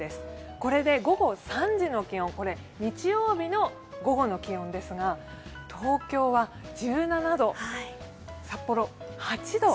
これで午後３時の気温日曜日の午後の気温ですが東京は１７度、札幌８度。